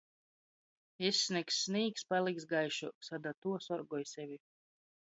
Izsnigs snīgs, paliks gaišuoks, a da tuo sorgoj sevi!